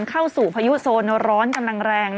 ออกเฉียงเหนือตอนบนเข้าสู่พยุดโซนร้อนกำลังแรง